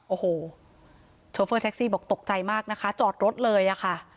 โอ้โหโชเฟอร์แท็กซี่บอกตกใจมากนะคะจอดรถเลยอะค่ะ